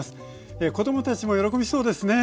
子供たちも喜びそうですね。